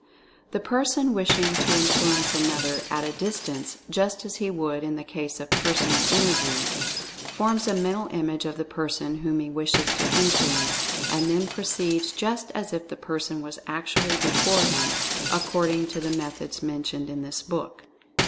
The person wishing to influence another at a dis tance, just as he would in the case of a Personal Inter view, forms a Mental Image of the person whom he wishes to influence, and then proceeds just as if the person was actually before him, according to the methods mentioned in this book.